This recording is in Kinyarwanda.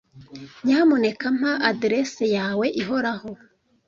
Nyamuneka mpa adresse yawe ihoraho.